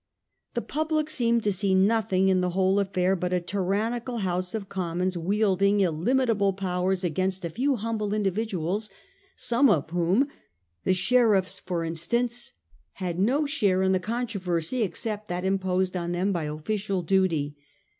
The public seemed to see nothing in the whole affair but a tyrannical House of Commons wielding illimitable powers against a few humble individuals, some of whom, the sheriffs for instance, had no share in the controversy except that imposed on them by official duty.